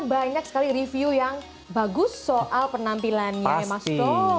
banyak sekali review yang bagus soal penampilannya emma stone